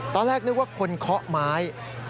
ตอนแรกนึกว่าคนเคาะไม้